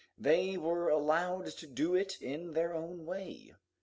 They were allowed to do it in their own way.